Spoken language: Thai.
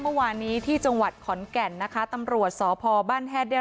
เมื่อวานนี้ที่จังหวัดขอนแก่นนะคะตำรวจสพบ้านแฮดได้